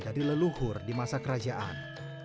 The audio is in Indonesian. dari leluhur di masa kerajaan